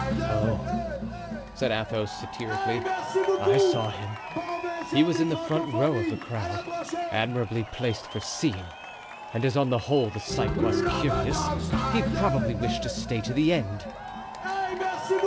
"Oh!" said Athos, satirically, "I saw him. He was in the front row of the crowd, admirably placed for seeing; and as on the whole the sight was curious, he probably wished to stay to the end."